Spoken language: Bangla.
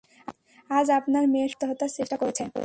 আজ আপনার মেয়ে শুধু আত্মহত্যার চেষ্টা করেছে।